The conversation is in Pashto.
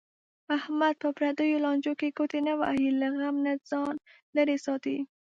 احمد په پردیو لانجو کې ګوتې نه وهي. له غم نه ځان لرې ساتي.